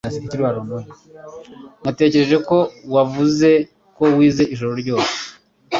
Natekereje ko wavuze ko wize ijoro ryose